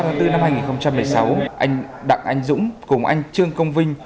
ngày ba bốn hai nghìn một mươi sáu anh đặng anh dũng cùng anh trương công vinh